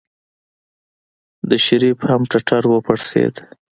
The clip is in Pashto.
د شريف هم ټټر وپړسېد.